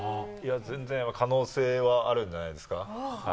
全然可能性はあるんじゃないですか？